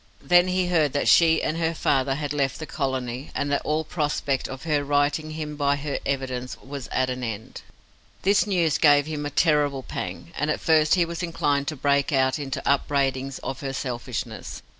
Then he heard that she and her father had left the colony, and that all prospect of her righting him by her evidence was at an end. This news gave him a terrible pang; and at first he was inclined to break out into upbraidings of her selfishness.